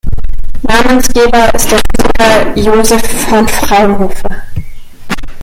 Namensgeber ist der Physiker Joseph von Fraunhofer.